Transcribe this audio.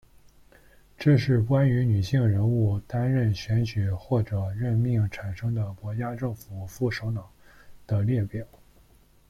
这是关于女性人物担任选举或者任命产生的国家政府副首脑的列表。